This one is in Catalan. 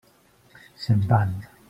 Se'n van.